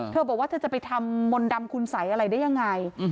บอกว่าเธอจะไปทำมนต์ดำคุณสัยอะไรได้ยังไง